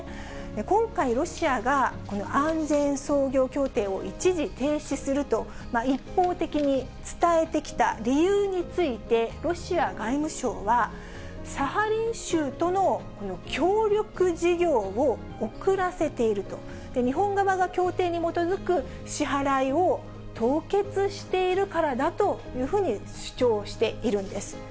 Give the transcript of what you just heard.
今回、ロシアがこの安全操業協定を一時停止すると、一方的に伝えてきた理由について、ロシア外務省は、サハリン州とのこの協力事業を遅らせていると、日本側が協定に基づく支払いを凍結しているからだというふうに主張しているんです。